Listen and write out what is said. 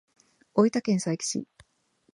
大分県佐伯市